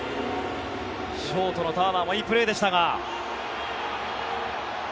ショートのターナーもいいプレーでしたが。